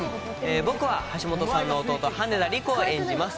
僕は橋本さんの弟、羽田陸を演じます。